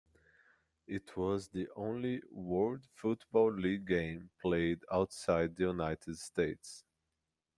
It was the only "World" Football League game played outside the United States.